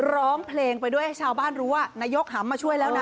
ร้องเพลงไปด้วยให้ชาวบ้านรู้ว่านายกหำมาช่วยแล้วนะ